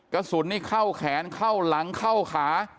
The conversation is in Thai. กระสุนนี่เข้าแขนเข้าหลังเข้าขา